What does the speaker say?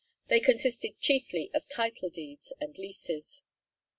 They consisted chiefly of title deeds and leases.